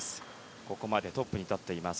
ここまでトップに立っています。